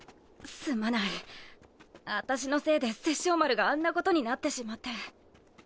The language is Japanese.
すまないアタシのせいで殺生丸があんなことになってしまって。